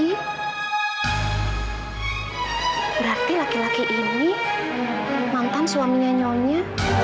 berarti laki laki ini mantan suaminya nyonya